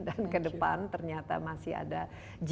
dan kedepan ternyata masih ada g dua puluh